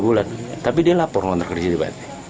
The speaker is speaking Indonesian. tiga bulan tapi dia lapor ngontrak di sini pak rt